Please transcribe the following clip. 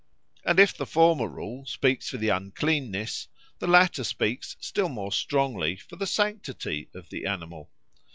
And if the former rule speaks for the uncleanness, the latter speaks still more strongly for the sanctity of the animal.